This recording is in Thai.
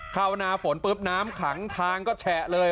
เข้าหน้าฝนปุ๊บน้ำขังทางก็แฉะเลย